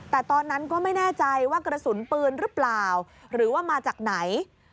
แต่ตอนนั้นก็ไม่แน่ใจว่ากระสุนปืนหรือเปล่าหรือว่ามาจากไหน